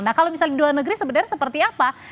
nah kalau misalnya di luar negeri sebenarnya seperti apa